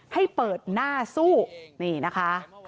ให้เปิดหน้าสู้นี่นะคะ